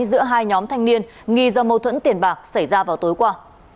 giữa hai nhóm thanh niên nghi do mâu thuẫn tiền bạc xảy ra vào tối qua